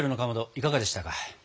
いかがでしたか？